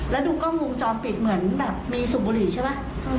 แล้วดูกล้องวงจรปิดเหมือนแบบมีสูบบุหรี่ใช่ไหม